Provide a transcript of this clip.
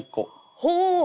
ほう！